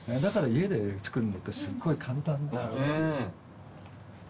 だから家で作るのってすごい簡単なんです。